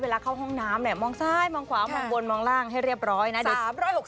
เวลาเข้าห้องน้ำมองซ้ายมองขวามองบนมองล่างให้เรียบร้อยนะ